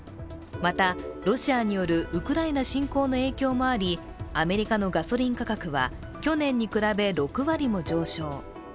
またロシアによるウクライナ侵攻の影響もありアメリカのガソリン価格は去年に比べ６割も上昇。